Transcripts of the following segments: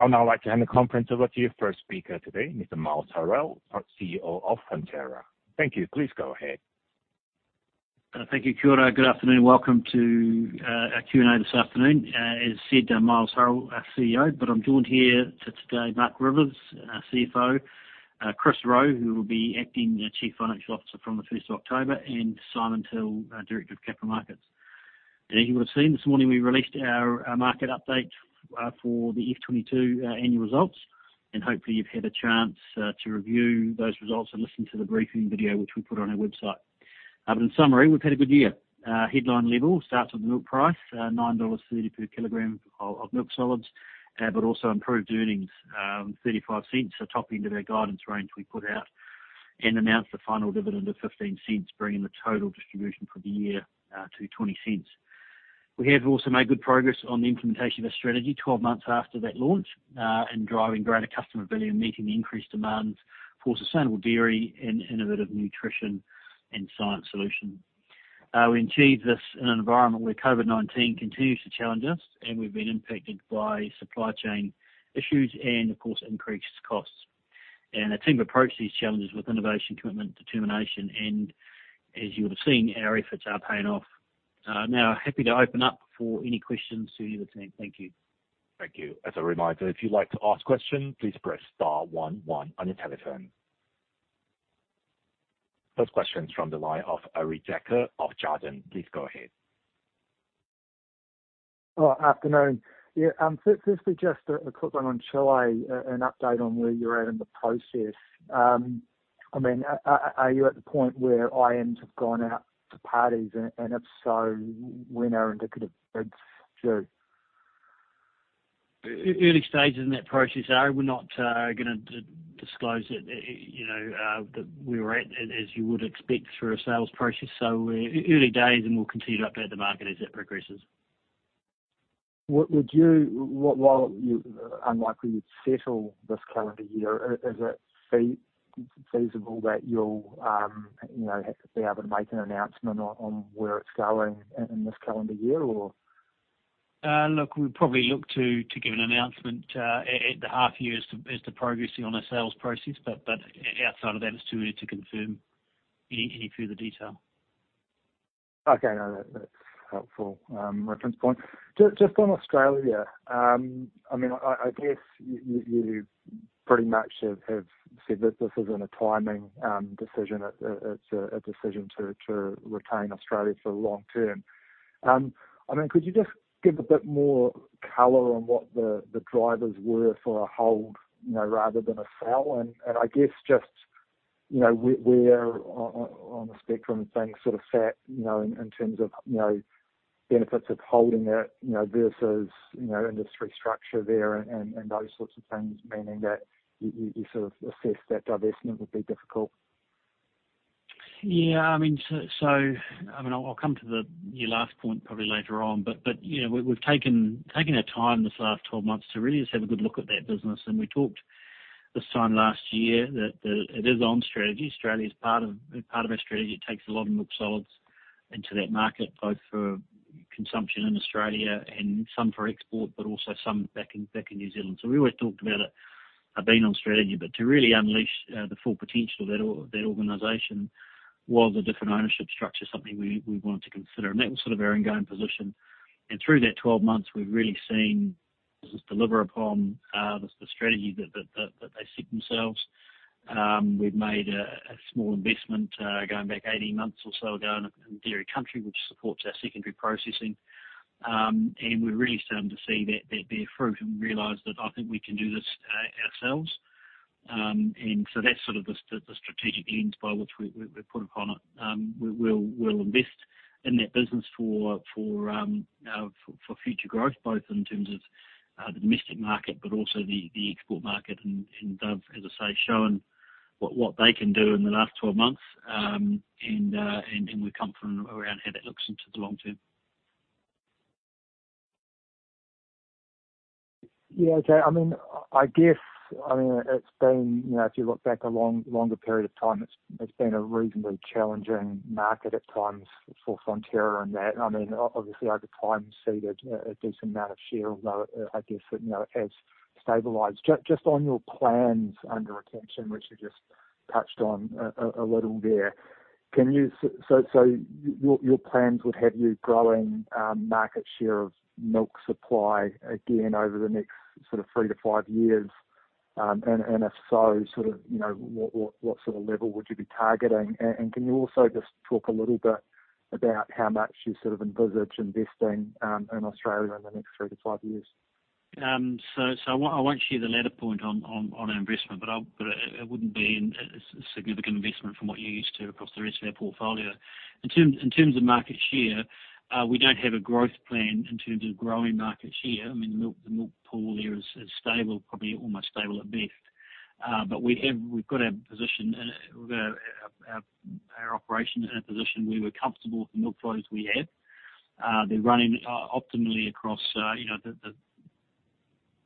I'd now like to hand the conference over to your first speaker today, Mr. Miles Hurrell, CEO of Fonterra. Thank you. Please go ahead. Thank you. Good afternoon. Welcome to our Q&A this afternoon. As said, I'm Miles Hurrell, our CEO, but I'm joined here today, Marc Rivers, our CFO, Chris Rowe, who will be Acting Chief Financial Officer from the first of October, and Simon Till, our Director of Capital Markets. As you would have seen, this morning, we released our market update for the F22 annual results. Hopefully you've had a chance to review those results and listen to the briefing video which we put on our website. But in summary, we've had a good year. Headline level starts with the milk price, 9.30 dollars per kilogram of milk solids, but also improved earnings, 0.35. Top end of our guidance range we put out and announced the final dividend of 0.15, bringing the total distribution for the year to 0.20. We have also made good progress on the implementation of our strategy 12 months after that launch and driving greater customer value, meeting the increased demand for sustainable dairy and innovative nutrition and science solutions. We achieved this in an environment where COVID-19 continues to challenge us, and we've been impacted by supply chain issues and of course increased costs. The team approached these challenges with innovation, commitment, determination, and as you would have seen, our efforts are paying off. Now happy to open up for any questions to the team. Thank you. Thank you. As a reminder, if you'd like to ask question, please press star one one on your telephone. First questions from the line of Arie Dekker of Jarden. Please go ahead. Afternoon. Yeah. Firstly, just a quick one on Chile, an update on where you're at in the process. I mean, are you at the point where IMs have gone out to parties, and if so, when are indicative bids due? Early stages in that process, Arie. We're not gonna disclose it, you know, that we were at, as you would expect through a sales process. Early days and we'll continue to update the market as it progresses. Would you, while it's unlikely you'd settle this calendar year, is it feasible that you'll, you know, be able to make an announcement on where it's going in this calendar year or? Look, we'd probably look to give an announcement at the half year as the progress on our sales process. Outside of that, it's too early to confirm any further detail. Okay. No, that's helpful reference point. Just on Australia, I mean, I guess you pretty much have said that this isn't a timing decision. It's a decision to retain Australia for the long term. I mean, could you just give a bit more color on what the drivers were for a hold, you know, rather than a sale? I guess just, you know, where on the spectrum things sort of sat, you know, in terms of, you know, benefits of holding it, you know, versus, you know, industry structure there and those sorts of things, meaning that you sort of assessed that divestment would be difficult. I mean, so I'll come to your last point probably later on, but you know, we've taken our time this last 12 months to really just have a good look at that business. We talked this time last year that it is on strategy. Australia is part of our strategy. It takes a lot of milk solids into that market, both for consumption in Australia and some for export, but also some back in New Zealand. We always talked about it being on strategy, but to really unleash the full potential of that organization was a different ownership structure, something we wanted to consider. That was sort of our ongoing position. Through that 12 months, we've really seen the business deliver upon the strategy that they set themselves. We've made a small investment going back 18 months or so ago in Dairy Country, which supports our secondary processing. We're really starting to see that bear fruit and realize that I think we can do this ourselves. That's sort of the strategic lens by which we put upon it. We'll invest in that business for future growth, both in terms of the domestic market but also the export market. They've, as I say, shown what they can do in the last 12 months. We're confident around how that looks into the long term. Yeah. Okay. I mean, I guess, it's been, you know, if you look back a longer period of time, it's been a reasonably challenging market at times for Fonterra. That, I mean, obviously over time ceded a decent amount of share, although I guess it, you know, has stabilized. Just on your plans under retention, which you just touched on a little there. Can you? So your plans would have you growing market share of milk supply again over the next sort of three-five years? And if so, you know, what sort of level would you be targeting? And can you also just talk a little bit about how much you sort of envisage investing in Australia in the next three-five years? I won't share the latter point on investment, but it wouldn't be a significant investment from what you're used to across the rest of our portfolio. In terms of market share, we don't have a growth plan in terms of growing market share. I mean, the milk pool there is stable, probably almost stable at best. We've got our position, we've got our operations in a position where we're comfortable with the milk volumes we have. They're running optimally across, you know.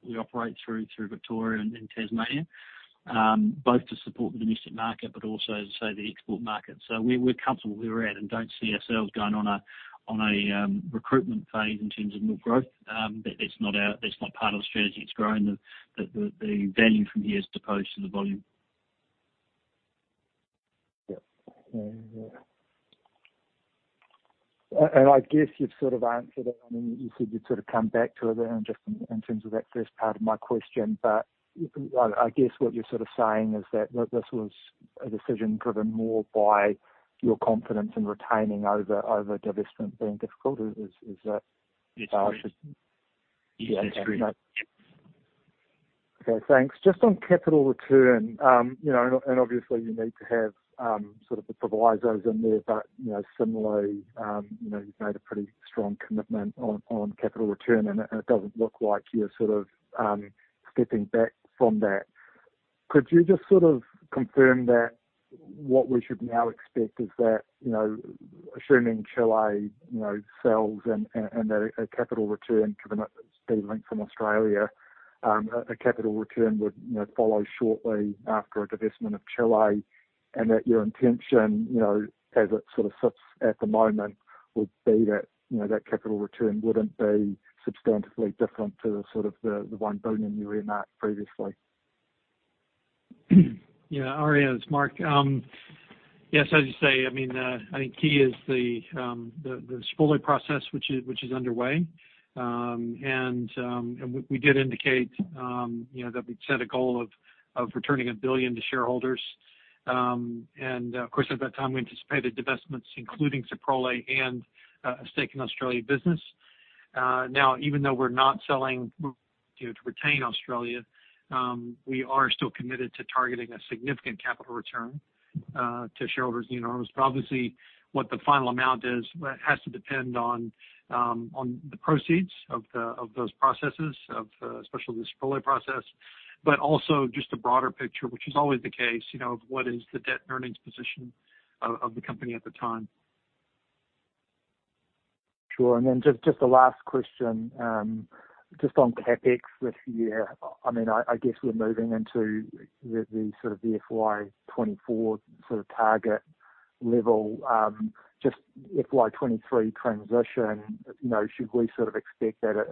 We operate through Victoria and Tasmania. Both to support the domestic market but also to say the export market. We're comfortable where we're at and don't see ourselves going on a recruitment phase in terms of milk growth. That's not part of the strategy. It's growing the value from here as opposed to the volume. Yeah. I guess you've sort of answered it. I mean, you said you'd sort of come back to it and just in terms of that first part of my question, but I guess what you're sort of saying is that this was a decision driven more by your confidence in retaining over divestment being difficult. Is that. Yes. Okay, thanks. Just on capital return, you know, and obviously you need to have, sort of the provisos in there, but, you know, similarly, you know, you've made a pretty strong commitment on capital return, and it doesn't look like you're sort of, stepping back from that. Could you just sort of confirm that what we should now expect is that, you know, assuming Chile, you know, sells and a capital return to the extent from Australia, a capital return would, you know, follow shortly after a divestment of Chile, and that your intention, you know, as it sort of sits at the moment, would be that, you know, that capital return wouldn't be substantively different to sort of the 1 billion you earmarked previously. Yeah. Arie, it's Marc. Yes. As you say, I mean, I think key is the Soprole process which is underway. We did indicate, you know, that we'd set a goal of returning 1 billion to shareholders. Of course, at that time, we anticipated divestments, including Soprole and a stake in Australian business. Now, even though we're not selling, retaining Australia, we are still committed to targeting a significant capital return to shareholders. You know, it's obviously what the final amount is. It has to depend on the proceeds of those processes, especially the Soprole process, but also just a broader picture, which is always the case, you know, of what is the debt and earnings position of the company at the time. Sure. Just the last question. Just on CapEx this year. I mean, I guess we're moving into the sort of the FY24 sort of target level. Just FY23 transition, you know, should we sort of expect that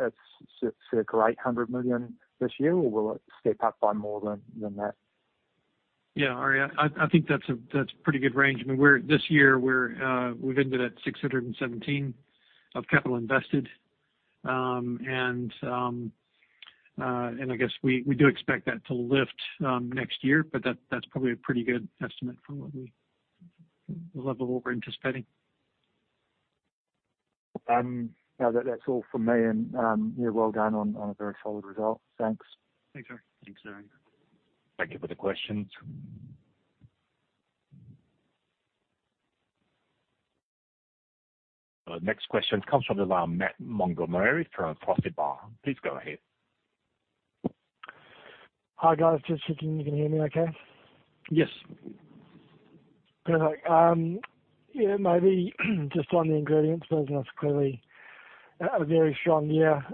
it's circa 800 million this year, or will it step up by more than that? Yeah. Arie, I think that's a pretty good range. I mean, this year we've ended at 617 of capital invested. I guess we do expect that to lift next year, but that's probably a pretty good estimate for the level what we're anticipating. That's all from me. Yeah, well done on a very solid result. Thanks. Thanks, Arie. Thanks, Arie. Thank you for the questions. Next question comes from the line Matt Montgomerie from Forsyth Barr. Please go ahead. Hi, guys. Just checking you can hear me okay. Yes. Perfect. Yeah, maybe just on the ingredients business, clearly a very strong year.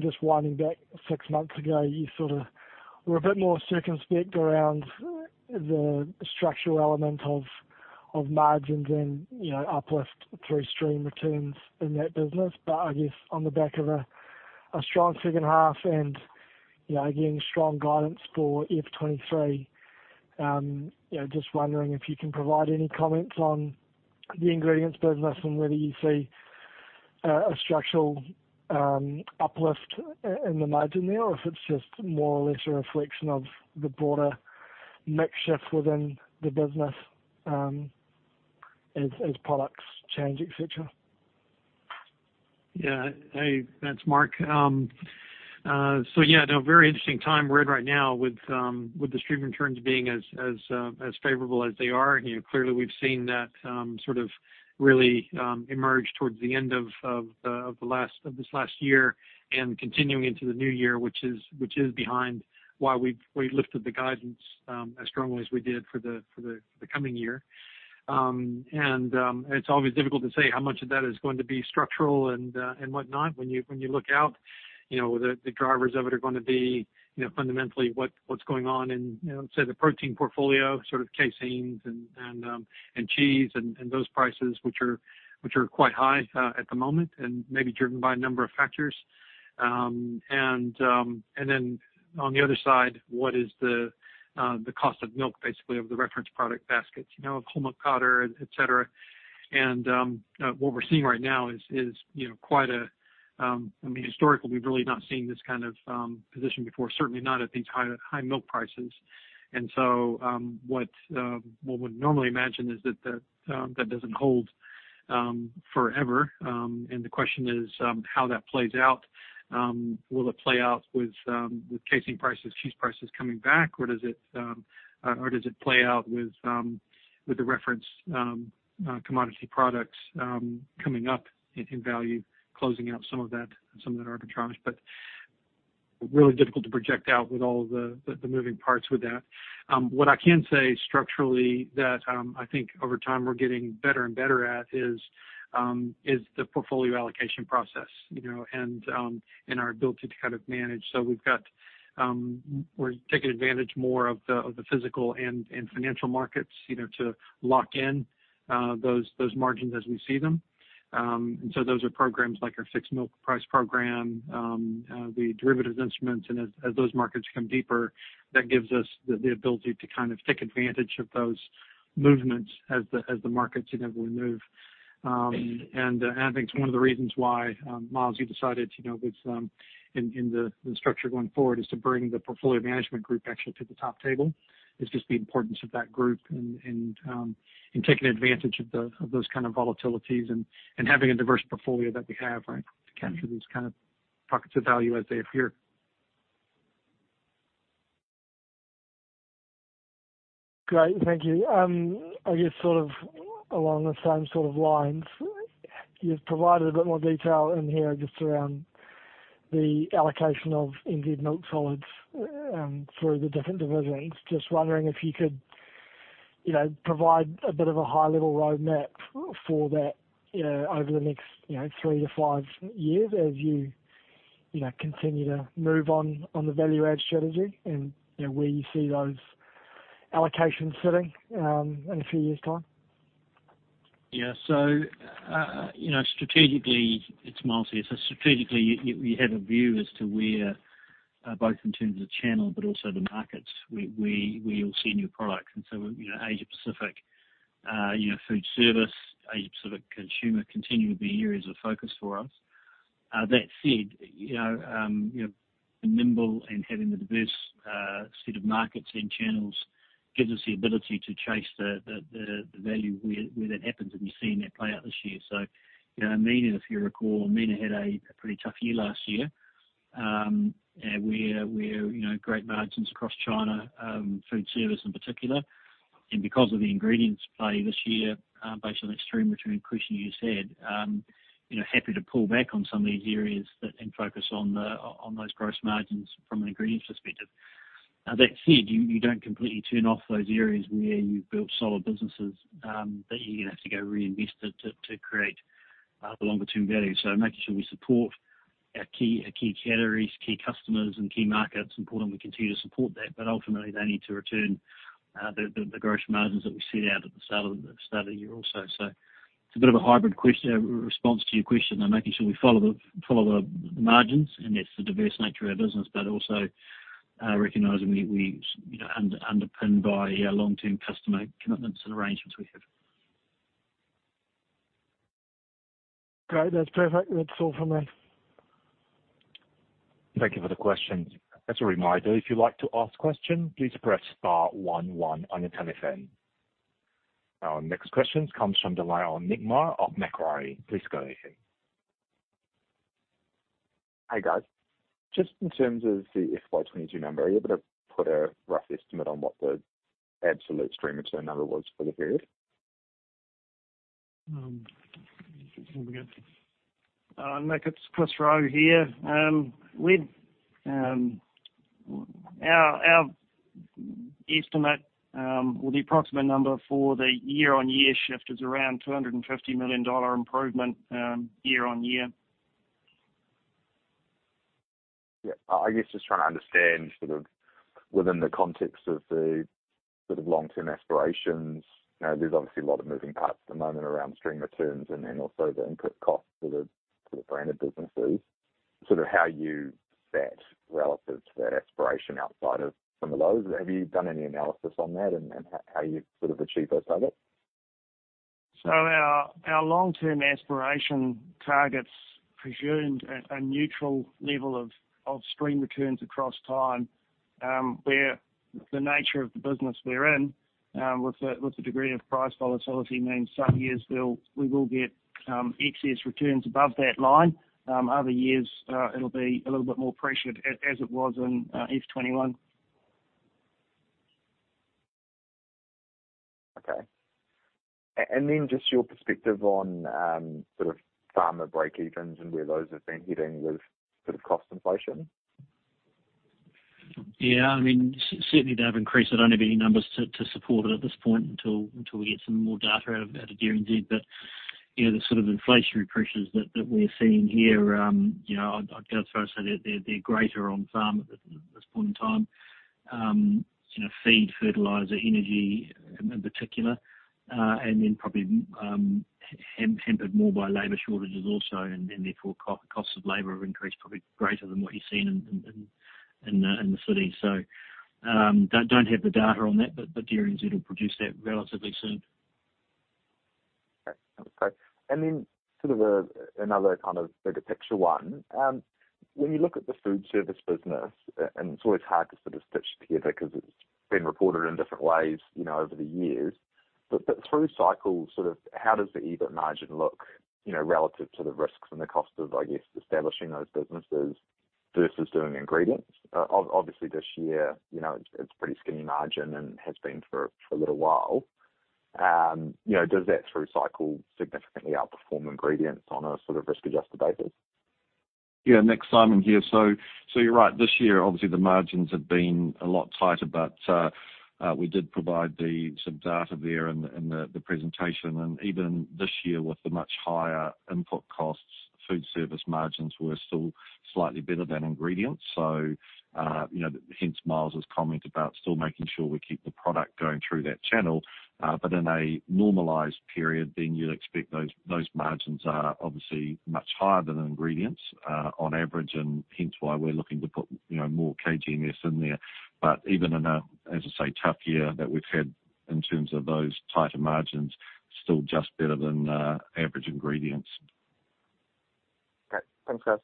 Just winding back six months ago, you sort of were a bit more circumspect around the structural element of margins and, you know, uplift through stream returns in that business. I guess on the back of a strong second half and, you know, again, strong guidance for F23, you know, just wondering if you can provide any comments on the ingredients business and whether you see a structural uplift in the margin there, or if it's just more or less a reflection of the broader mix shift within the business, as products change, etc. Yeah. Hey, that's Marc. Yeah, no, very interesting time we're in right now with the stream returns being as favorable as they are. You know, clearly we've seen that sort of really emerge towards the end of this last year and continuing into the new year, which is behind why we lifted the guidance as strongly as we did for the coming year. It's always difficult to say how much of that is going to be structural and whatnot when you look out. You know, the drivers of it are gonna be, you know, fundamentally what's going on in, you know, say, the protein portfolio sort of caseins and cheese and those prices which are quite high at the moment and may be driven by a number of factors. Then on the other side, what is the cost of milk basically of the reference product baskets, you know, whole milk powder, etc. What we're seeing right now is, you know, quite. I mean, historically, we've really not seen this kind of position before, certainly not at these high milk prices. What we normally imagine is that that doesn't hold forever. The question is how that plays out. Will it play out with casein prices, cheese prices coming back? Or does it play out with the reference commodity products coming up in value, closing up some of that arbitrage? Really difficult to project out with all the moving parts with that. What I can say structurally that I think over time we're getting better and better at is the portfolio allocation process, you know, and our ability to kind of manage. We're taking advantage more of the physical and financial markets, you know, to lock in those margins as we see them. Those are programs like our Fixed Milk Price programme, the derivatives instruments. As those markets become deeper, that gives us the ability to kind of take advantage of those movements as the markets, you know, will move. I think it's one of the reasons why, Miles, you decided, you know, within the structure going forward is to bring the portfolio management group actually to the top table. It's just the importance of that group and taking advantage of those kind of volatilities and having a diverse portfolio that we have, right, to capture these kind of pockets of value as they appear. Great. Thank you. I guess sort of along the same sort of lines, you've provided a bit more detail in here just around the allocation of NZ milk solids through the different divisions. Just wondering if you could, you know, provide a bit of a high-level roadmap for that, you know, over the next, you know, three to five years as you know, continue to move on the value add strategy and, you know, where you see those allocations sitting in a few years' time. Strategically, it's Miles here. We have a view as to where, both in terms of channel but also the markets we will see new products. Asia Pacific, food service, Asia Pacific consumer continue to be areas of focus for us. That said, being nimble and having the diverse set of markets and channels gives us the ability to chase the value where that happens, and you're seeing that play out this year. MENA if you recall, MENA had a pretty tough year last year. We're seeing great margins across China, food service in particular. Because of the ingredients play this year, based on extreme return question you just said, you know, happy to pull back on some of these areas and focus on those gross margins from an ingredients perspective. That said, you don't completely turn off those areas where you've built solid businesses, that you're gonna have to go reinvest it to create the longer term value. So making sure we support our key categories, key customers and key markets, importantly continue to support that, but ultimately they need to return the gross margins that we set out at the start of the year or so. It's a bit of a hybrid one to your question on making sure we follow the margins and that's the diverse nature of our business, but also recognizing we you know underpinned by our long-term customer commitments and arrangements we have. Great. That's perfect. That's all from me. Thank you for the question. As a reminder, if you'd like to ask question, please press star one one on your telephone. Our next question comes from the line of Nick Mar of Macquarie. Please go ahead. Hi, guys. Just in terms of the FY 22 number, are you able to put a rough estimate on what the absolute stream return number was for the period? Nick, it's Chris Rowe here. Our estimate, or the approximate number for the year-on-year shift is around 250 million dollar improvement, year-on-year. Yeah. I guess just trying to understand sort of within the context of the sort of long-term aspirations. You know, there's obviously a lot of moving parts at the moment around stream returns and then also the input costs for the branded businesses, sort of how you sit relative to that aspiration outside of some of those. Have you done any analysis on that and how you sort of achieve those targets? Our long-term aspiration targets presumed a neutral level of stream returns across time, where the nature of the business we're in, with the degree of price volatility means some years we will get excess returns above that line. Other years, it'll be a little bit more pressured as it was in F21. Okay. Just your perspective on sort of farmer breakevens and where those have been hitting with sort of cost inflation. Yeah, I mean, certainly they have increased. I don't have any numbers to support it at this point until we get some more data out of DairyNZ. You know, the sort of inflationary pressures that we're seeing here, you know, I'd go as far as say they're greater on farm at this point in time, you know, feed, fertilizer, energy in particular, and then probably hampered more by labor shortages also and therefore costs of labor have increased probably greater than what you're seeing in the city. Don't have the data on that, but DairyNZ will produce that relatively soon. Okay. Sort of another kind of bigger picture one. When you look at the food service business, and it's always hard to sort of stitch together 'cause it's been reported in different ways, you know, over the years. Through cycles, sort of how does the EBIT margin look, you know, relative to the risks and the cost of, I guess, establishing those businesses versus doing ingredients? Obviously this year, you know, it's pretty skinny margin and has been for a little while. You know, does that through cycle significantly outperform ingredients on a sort of risk-adjusted basis? Yeah, Nick, Simon here. You're right. This year, obviously, the margins have been a lot tighter, but we did provide some data there in the presentation. Even this year, with the much higher input costs, food service margins were still slightly better than ingredients. You know, hence Miles' comment about still making sure we keep the product going through that channel. In a normalized period, then you'd expect those margins are obviously much higher than ingredients on average, and hence why we're looking to put you know, more KGMS in there. Even in a tough year, as I say, that we've had in terms of those tighter margins, still just better than average ingredients. Okay. Thanks, guys.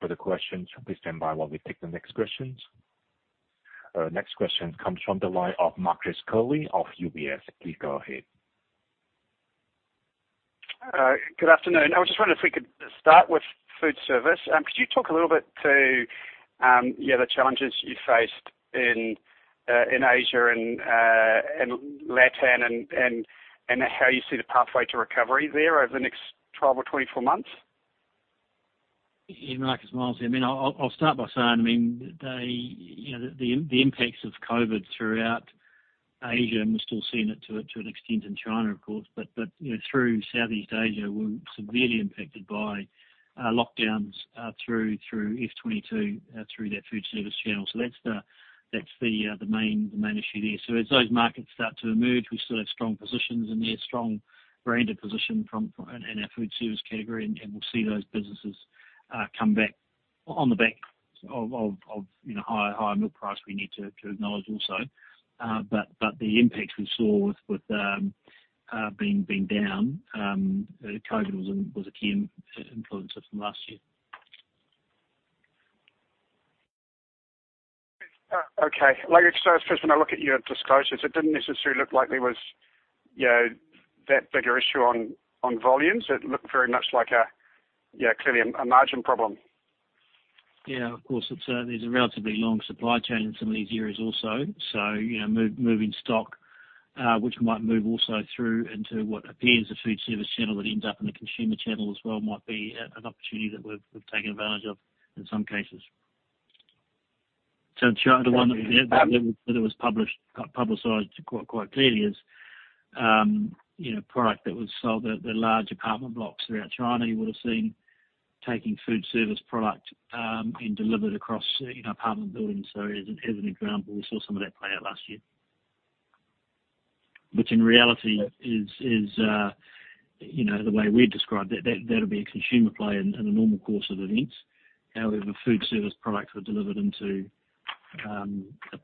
Further questions, please stand by while we take the next questions. Next question comes from the line of Marcus Curley of UBS. Please go ahead. Good afternoon. I was just wondering if we could start with food service. Could you talk a little bit about the challenges you faced in Asia and Latin America and how you see the pathway to recovery there over the next 12 or 24 months? Yeah, Marcus, Miles here. I mean, I'll start by saying, I mean, you know, the impacts of COVID throughout Asia, and we're still seeing it to an extent in China, of course. You know, through Southeast Asia, we're severely impacted by lockdowns through F22 through that food service channel. That's the main issue there. As those markets start to emerge, we still have strong positions in there, strong branded position in our food service category, and we'll see those businesses come back on the back of you know, higher milk price we need to acknowledge also. The impact we saw with being down. COVID was a key influencer from last year. Okay. Like I said, first, when I look at your disclosures, it didn't necessarily look like there was, you know, that bigger issue on volumes. It looked very much like a, yeah, clearly a margin problem. Yeah, of course. It is a relatively long supply chain in some of these areas also. You know, moving stock which might move also through into what appears a food service channel that ends up in the consumer channel as well might be an opportunity that we've taken advantage of in some cases. In China, one that we have that was publicized quite clearly is, you know, product that was sold at the large apartment blocks around China. You would've seen taking food service product being delivered across, you know, apartment buildings. As an example, we saw some of that play out last year. Which in reality is, you know, the way we'd describe that'll be a consumer play in a normal course of events. However, food service products were delivered into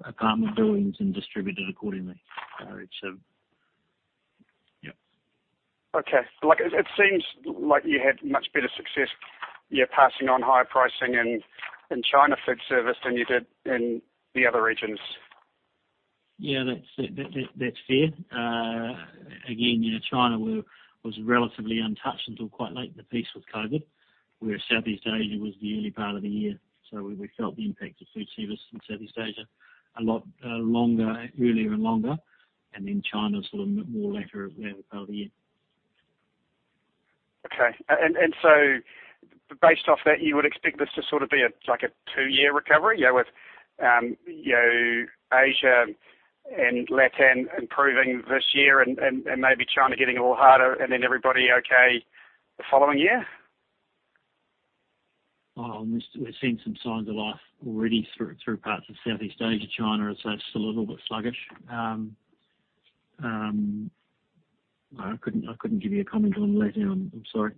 apartment buildings and distributed accordingly. Okay. Like, it seems like you had much better success, yeah, passing on higher pricing in China food service than you did in the other regions. Yeah, that's fair. Again, you know, China was relatively untouched until quite late in the piece with COVID, whereas Southeast Asia was the early part of the year. We felt the impact of food service in Southeast Asia a lot earlier and longer, and then China sort of more latter part of the year. Based off that, you would expect this to sort of be a, like a two-year recovery, you know, with, you know, Asia and Latin improving this year and maybe China getting a little harder and then everybody okay the following year? Well, we're seeing some signs of life already through parts of Southeast Asia. China is still a little bit sluggish. I couldn't give you a comment on Latin. I'm sorry.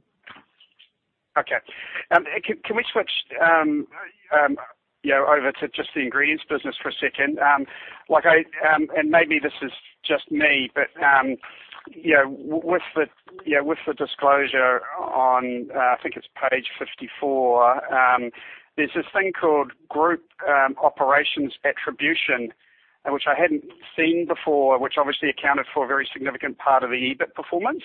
Okay. Can we switch, you know, over to just the ingredients business for a second? Like I, and maybe this is just me, but, you know, with the, you know, with the disclosure on, I think it's page 54, there's this thing called group operations attribution, which I hadn't seen before, which obviously accounted for a very significant part of the EBIT performance.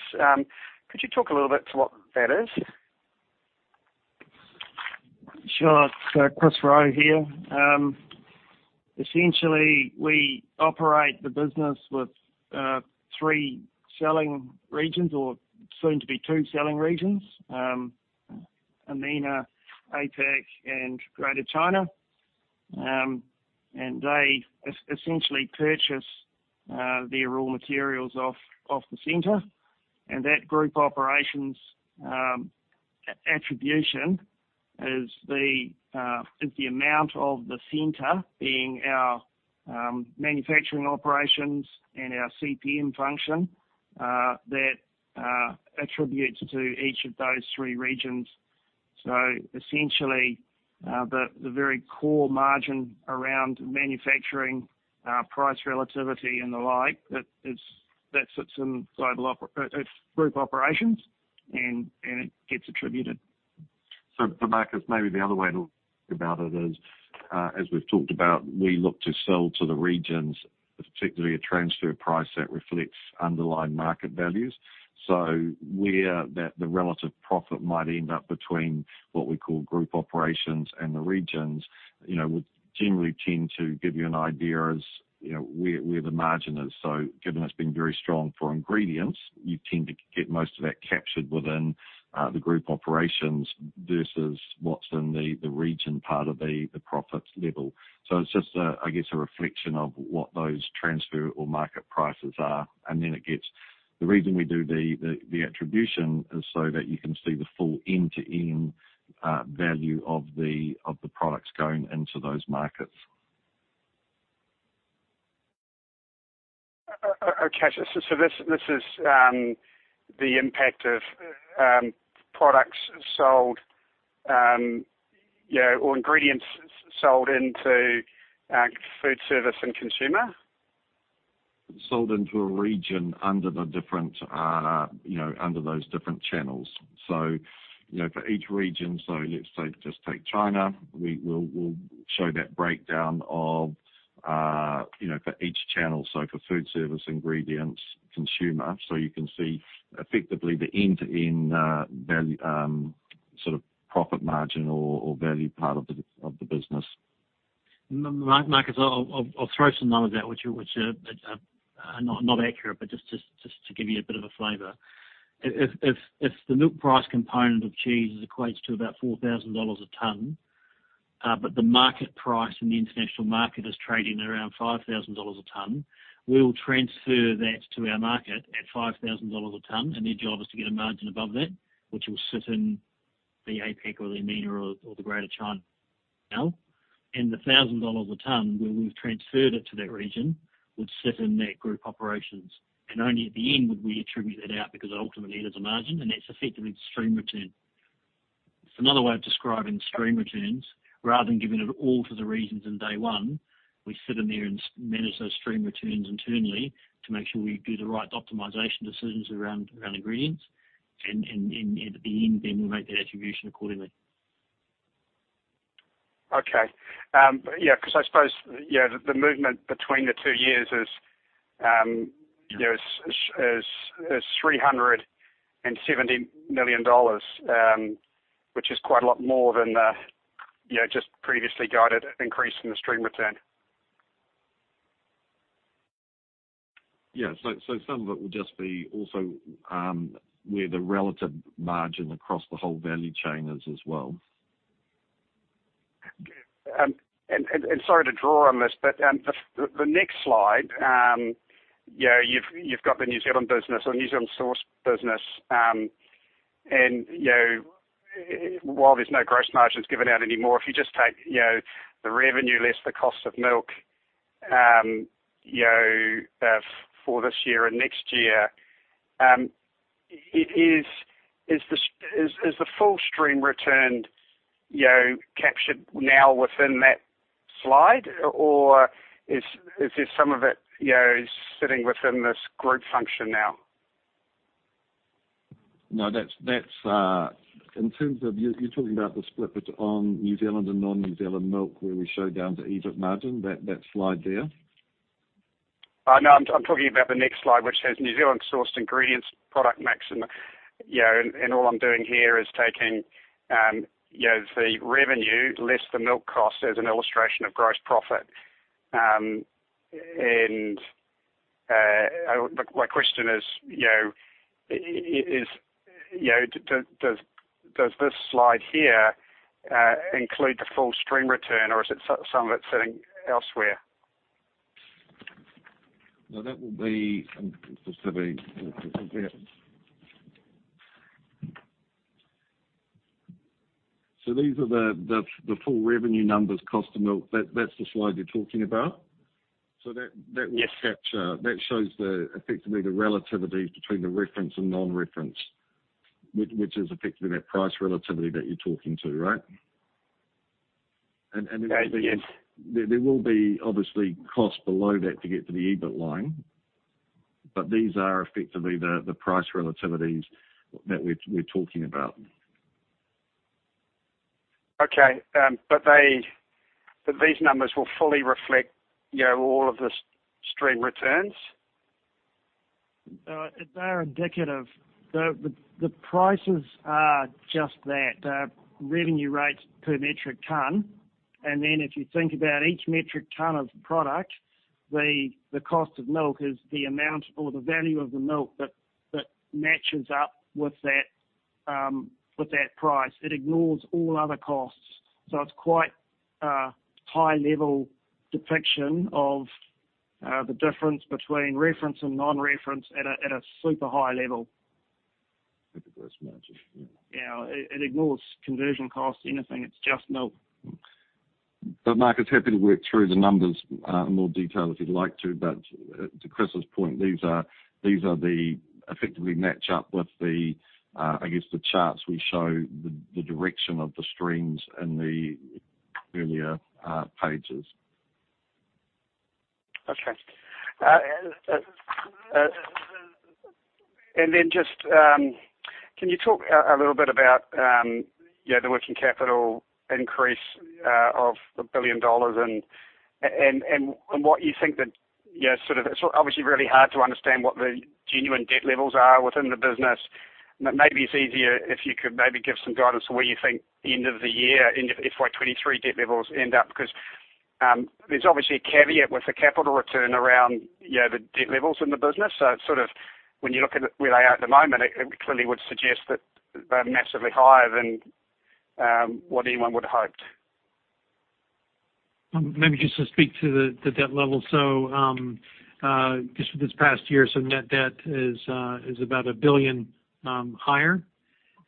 Could you talk a little bit to what that is? Sure. It's Chris Rowe here. Essentially, we operate the business with three selling regions or soon to be two selling regions, AMENA, APAC, and Greater China. They essentially purchase their raw materials from the center. That Group operations allocation is the amount of the center being our manufacturing operations and our CPM function that attributes to each of those three regions. Essentially, the very core margin around manufacturing, price relativity and the like, that sits in Group operations and it gets attributed. For Marcus, maybe the other way to look at it is, as we've talked about, we look to sell to the regions, particularly a transfer price that reflects underlying market values. Where that the relative profit might end up between what we call group operations and the regions, you know, would generally tend to give you an idea as, you know, where the margin is. Given it's been very strong for ingredients, you tend to get most of that captured within the group operations versus what's in the region part of the profit level. It's just a, I guess, a reflection of what those transfer or market prices are. The reason we do the attribution is so that you can see the full end-to-end value of the products going into those markets. Okay. So this is the impact of products sold, you know, or ingredients sold into food service and consumer? Sold into a region under those different channels. For each region, let's say just take China, we'll show that breakdown of for each channel, for food service, ingredients, consumer. You can see effectively the end-to-end value sort of profit margin or value part of the business. Marc, as I'll throw some numbers out which are not accurate, but just to give you a bit of a flavor. If the milk price component of cheese equates to about $4,000 a ton, but the market price in the international market is trading around $5,000 a ton, we'll transfer that to our market at $5,000 a ton, and their job is to get a margin above that, which will sit in the APAC or the MENA or the Greater China now. The $1,000 a ton, where we've transferred it to that region, would sit in that group operations. Only at the end would we attribute that out, because ultimately it is a margin and that's effectively stream returns. It's another way of describing stream returns. Rather than giving it all to the regions in day one, we sit in there and manage those stream returns internally to make sure we do the right optimization decisions around ingredients and at the end, then we make that attribution accordingly. Yeah, 'cause I suppose the movement between the two years is 370 million dollars, which is quite a lot more than just the previously guided increase in the stream returns. Yeah. Some of it will just be also, where the relative margin across the whole value chain is as well. Sorry to draw on this, but the next slide, you know, you've got the New Zealand business or New Zealand sourced business, and you know, while there's no gross margins given out anymore, if you just take, you know, the revenue less the cost of milk, you know, for this year and next year, is the full stream returns, you know, captured now within that slide? Or is there some of it, you know, is sitting within this group function now? No, that's in terms of you're talking about the split between New Zealand and non-New Zealand milk, where we show down to EBIT margin, that slide there? No, I'm talking about the next slide, which says New Zealand sourced ingredients, product maximum. You know, and all I'm doing here is taking, you know, the revenue less the milk cost as an illustration of gross profit. My question is, you know, does this slide here include the full stream returns or is it some of it sitting elsewhere? No, that will be, just to be clear. These are the full revenue numbers, cost of milk. That's the slide you're talking about? Yes. That will capture. That shows the effectively the relativity between the reference and non-reference, which is effectively that price relativity that you're talking to, right? That's, yes. There will be obviously costs below that to get to the EBIT line. These are effectively the price relativities that we're talking about. Okay. These numbers will fully reflect, you know, all of the stream returns? They are indicative. The prices are just that, revenue rates per metric ton. If you think about each metric ton of product, the cost of milk is the amount or the value of the milk that matches up with that price. It ignores all other costs. It's quite a high level depiction of the difference between reference and non-reference at a super high level. At the gross margin, yeah. You know, it ignores conversion costs, anything. It's just milk. Marcus, I'd be happy to work through the numbers in more detail if you'd like to, but to Chris Rowe's point, these effectively match up with the, I guess, the charts we show the direction of the streams in the earlier pages. Okay. Then just can you talk a little bit about the working capital increase of 1 billion dollars and what you think that, you know, sort of. It's obviously really hard to understand what the genuine debt levels are within the business. But maybe it's easier if you could maybe give some guidance on where you think end of the year, end of FY23 debt levels end up. 'Cause, there's obviously a caveat with the capital return around, you know, the debt levels in the business. It's sort of when you look at where they are at the moment, it clearly would suggest that they're massively higher than what anyone would have hoped. Maybe just to speak to the debt level. Just this past year, net debt is about 1 billion higher.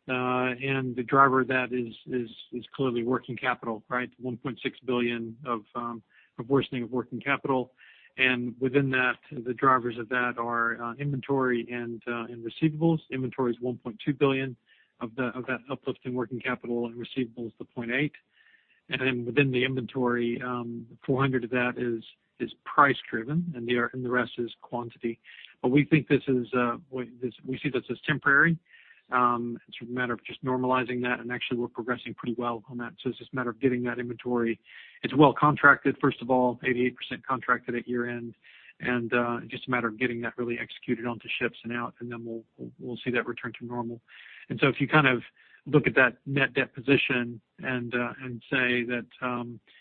The driver of that is clearly working capital, right? 1.6 billion of worsening of working capital. Within that, the drivers of that are inventory and receivables. Inventory is 1.2 billion of that uplift in working capital, and receivables is 0.8 billion. Within the inventory, 400 million of that is price driven, and the rest is quantity. We see this as temporary. It's a matter of just normalizing that, and actually we're progressing pretty well on that. It's just a matter of getting that inventory. It's well contracted, first of all, 88% contracted at year-end. Just a matter of getting that really executed onto ships and out, and then we'll see that return to normal. If you kind of look at that net debt position and say that,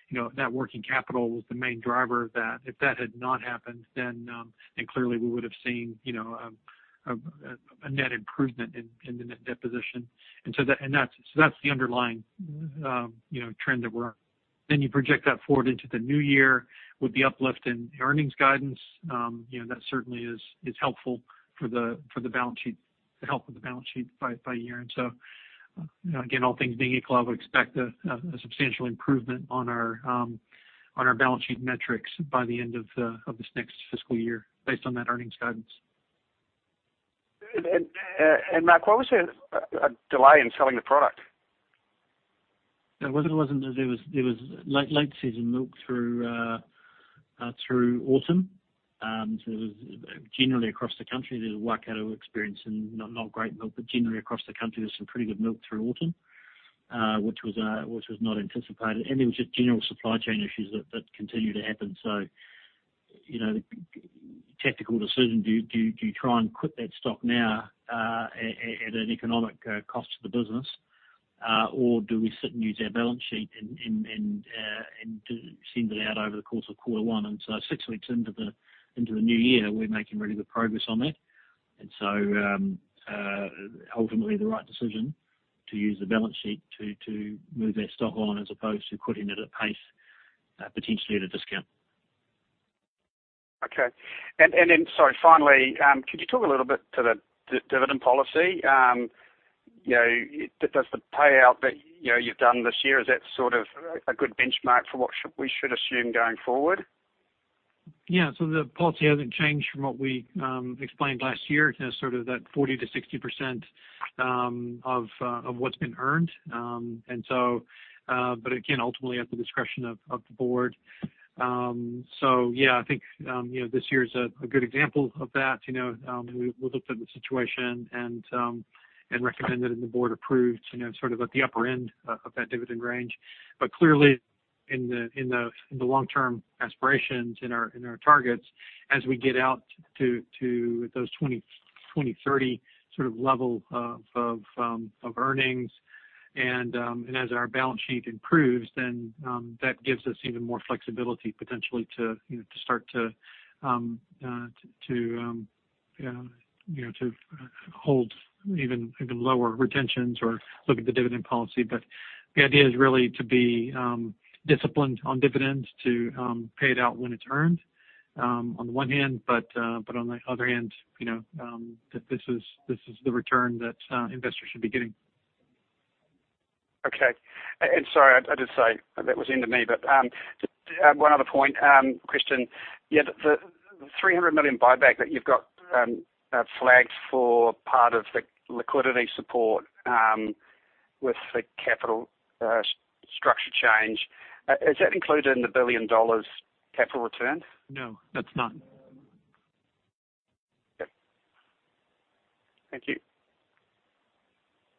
you know, that working capital was the main driver of that. If that had not happened, then clearly we would have seen, you know, a net improvement in the net debt position. That's the underlying, you know, trend that we're on. You project that forward into the new year with the uplift in earnings guidance. You know, that certainly is helpful for the balance sheet, to help with the balance sheet by year-end. You know, again, all things being equal, I would expect a substantial improvement on our balance sheet metrics by the end of this next fiscal year based on that earnings guidance. Marc, why was there a delay in selling the product? Yeah. Well, it wasn't that there was late season milk through autumn. It was generally across the country. The Waikato experience was not great milk, but generally across the country, there's some pretty good milk through autumn, which was not anticipated. There was just general supply chain issues that continue to happen. You know, tactical decision, do you try and quit that stock now at an economic cost to the business? Or do we sit and use our balance sheet and send it out over the course of quarter one? Six weeks into the new year, we're making really good progress on that. Ultimately the right decision to use the balance sheet to move that stock on as opposed to quitting it at pace, potentially at a discount. Sorry, finally, could you talk a little bit to the dividend policy? You know, does the payout that, you know, you've done this year, is that sort of a good benchmark for what we should assume going forward? Yeah. The policy hasn't changed from what we explained last year. You know, sort of that 40%-60% of what's been earned. Again, ultimately at the discretion of the board. Yeah, I think, you know, this year is a good example of that. You know, we looked at the situation and recommended, and the board approved, you know, sort of at the upper end of that dividend range. Clearly in the long-term aspirations in our targets, as we get out to those 2030 sort of level of earnings and as our balance sheet improves, then that gives us even more flexibility potentially to you know to start to hold even lower retentions or look at the dividend policy. The idea is really to be disciplined on dividends to pay it out when it's earned on the one hand, but on the other hand, you know that this is the return that investors should be getting. Okay. And sorry, I did say that was the end of me. Just one other point, question. Yeah, the 300 million buyback that you've got flagged for part of the liquidity support with the capital structure change is that included in the 1 billion dollars capital return? No, that's not. Okay. Thank you.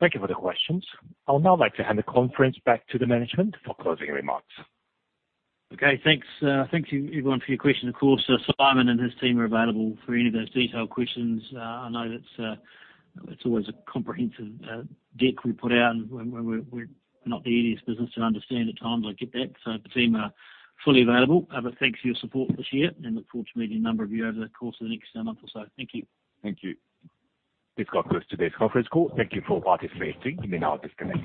Thank you for the questions. I would now like to hand the conference back to the management for closing remarks. Okay, thanks. Thank you, everyone, for your questions. Of course, Simon and his team are available for any of those detailed questions. I know that it's always a comprehensive deck we put out, and we're not the easiest business to understand at times. I get that. The team are fully available. Thanks for your support this year, and look forward to meeting a number of you over the course of the next month or so. Thank you. Thank you. This concludes this conference call. Thank you for participating. You may now disconnect.